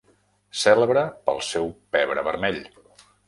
Cèlebre pel seu pebre vermell.